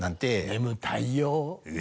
眠たいよう。